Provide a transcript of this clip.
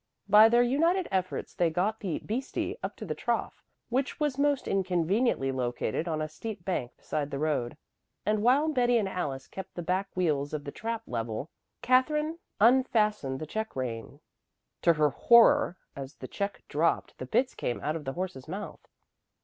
By their united efforts they got the "beastie" up to the trough, which was most inconveniently located on a steep bank beside the road; and while Betty and Alice kept the back wheels of the trap level, Katherine unfastened the check rein. To her horror, as the check dropped the bits came out of the horse's mouth.